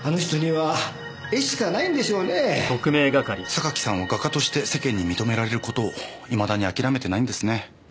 榊さんは画家として世間に認められることをいまだに諦めてないんですね。